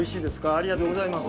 ありがとうございます。